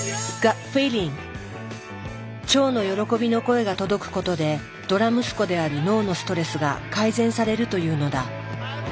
腸の喜びの声が届くことでドラ息子である脳のストレスが改善されるというのだ。